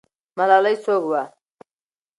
ملالۍ څوک وه؟